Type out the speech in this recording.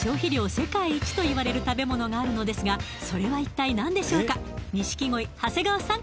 世界一といわれる食べ物があるのですがそれは一体何でしょうか錦鯉長谷川さん